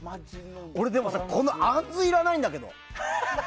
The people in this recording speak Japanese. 俺、でもさこの杏子いらないんだけど。